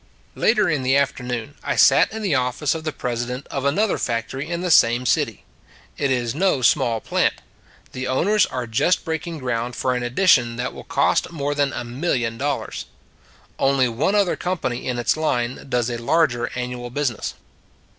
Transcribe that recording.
Later in the afternoon I sat in the office of the president of another factory in the 47 48 // s a Good Old World same city. It is no small plant ; the owners are just breaking ground for an addition that will cost more than a million dollars. Only one other company in its line does a larger annual business.